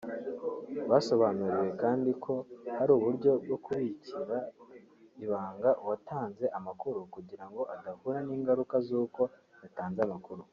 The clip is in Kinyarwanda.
Basobanuriwe kandi ko hari uburyo bwo kubikira ibanga uwatanze amakuru kugira ngo adahura n’ingaruka zuko yatanze amakuru